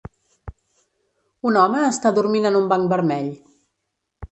Un home està dormint en un banc vermell